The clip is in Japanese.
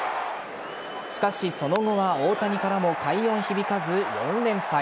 しかし、その後は大谷からも快音響かず４連敗。